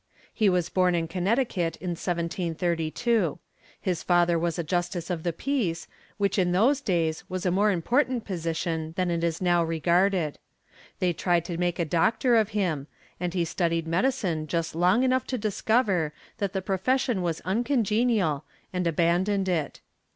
He was born in Connecticut in 1732. His father was a justice of the peace, which in those days was a more important position than it is now regarded. They tried to make a doctor of him, and he studied medicine just long enough to discover that the profession was uncongenial, and abandoned it.